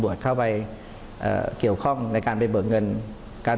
แต่เจ้าตัวก็ไม่ได้รับในส่วนนั้นหรอกนะครับ